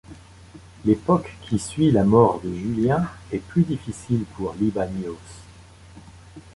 L'époque qui suit la mort de Julien, est plus difficile pour Libanios.